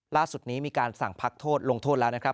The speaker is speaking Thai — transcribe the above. ล่าสุดนี้มีการสั่งพักโทษลงโทษแล้วนะครับ